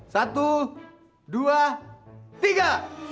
satu dua tiga